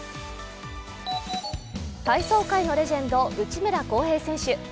体操界のレジェンド内村航平選手。